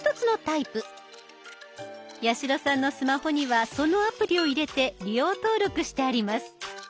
八代さんのスマホにはそのアプリを入れて利用登録してあります。